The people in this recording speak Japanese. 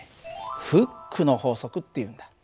フックの法則っていうんだ。